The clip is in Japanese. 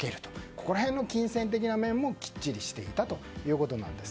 ここら辺の金銭的な面もきっちりしていたということなんです。